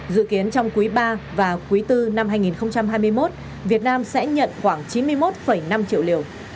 dự kiến trong quý ba và quý bốn năm hai nghìn hai mươi một việt nam sẽ nhận khoảng chín mươi một năm triệu liều